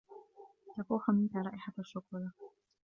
تفوح منك رائحة الشوكولاتة.